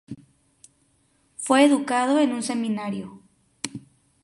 Fue educado en un seminario.